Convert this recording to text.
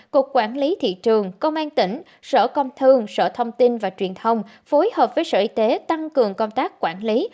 cục quản lý thị trường công an tỉnh sở công thương sở thông tin và truyền thông phối hợp với sở y tế tăng cường công tác quản lý